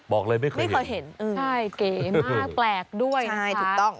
บอกเลยไม่เคยไม่เคยเห็นเออใช่เก๋มากแปลกด้วยใช่ถูกต้อง